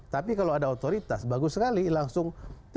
tapi kalau ada otoritas bagus sekali langsung